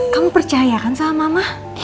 kamu percaya kan sama mama